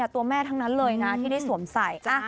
ตัวแม่ทั้งนั้นเลยนะที่ได้สวมใส่